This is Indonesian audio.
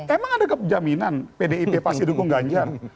emang ada jaminan pdip pasti dukung ganjar